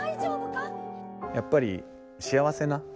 やっぱり幸せな瞬間。